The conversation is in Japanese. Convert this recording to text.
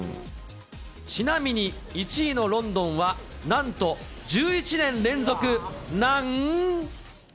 ちなみに１位のロンドンはなんと１１年連続なん。